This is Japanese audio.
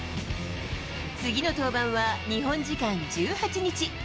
次の登板は日本時間１８日。